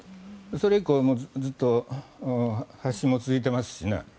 それ以降、ずっと発信も続いていますしね。